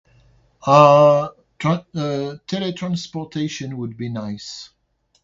Uuuuh, tra—uhh, today transportation would be nice.